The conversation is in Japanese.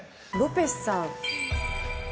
ロペスさん。